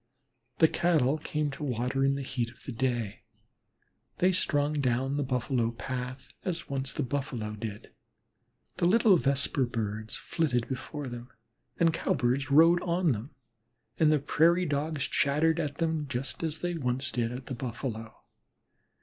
The Cattle came to water in the heat of the day. They strung down the Buffalo path as once the Buffalo did. The little Vesper birds flitted before them, the Cowbirds rode on them, and the Prairie dogs chattered at them, just as they once did at the Buffalo.